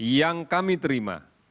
yang kami terima